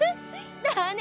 だね！